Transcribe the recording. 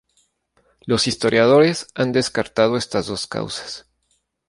Los historiadores han descartado estas dos causas.